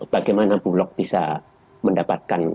bagaimana bulog bisa mendapatkan